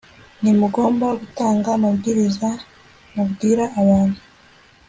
Ntimugomba gutanga amabwiriza mubwira abantu